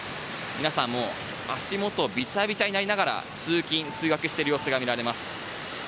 皆さん、もう足元びちゃびちゃになりながら通勤・通学している様子が見られます。